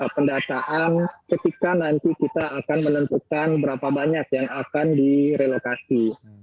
pendataan ketika nanti kita akan menentukan berapa banyak yang akan direlokasi